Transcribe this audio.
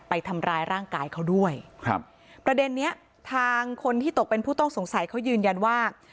ไปทำร้ายร่างกายเขาด้วยครับประเด็นเนี้ยทางคนที่ตกเป็นผู้ต้องสงสัยเขายืนยันว่า